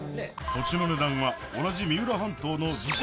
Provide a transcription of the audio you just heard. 土地の値段は同じ三浦半島の子